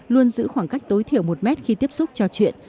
luôn giữ khoảng cách tối thiểu một mét khi tiếp xúc trò chuyện